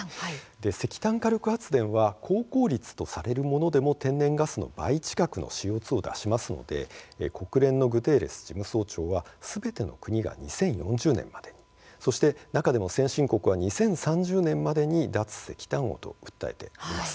石炭火力発電は高効率とされるものでも天然ガスの倍近いＣＯ２を出しますので国連のグテーレス事務総長はすべての国が２０４０年までに中でも先進国は２０３０年までに脱石炭をと訴えています。